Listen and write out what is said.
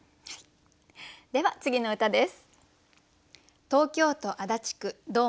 では次の歌です。